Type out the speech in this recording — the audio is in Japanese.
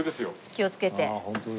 気をつけて。